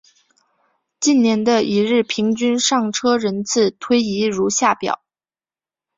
近年的一日平均上车人次推移如下表。